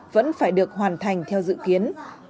vẫn phải được hoàn thành theo dự kiến